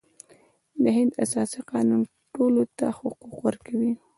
د هند اساسي قانون ټولو ته حقوق ورکوي.